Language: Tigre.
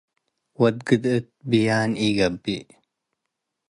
ወድ ግድእት ብያን ኢገብእ።